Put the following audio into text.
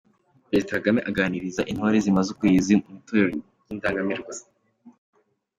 Perezida Kagame aganiriza intore zimaze ukwezi mu itorero ry'Indangamirwa.